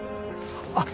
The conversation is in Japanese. あっ。